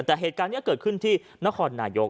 แต่เหตุการณ์นี้เกิดขึ้นที่นครนายก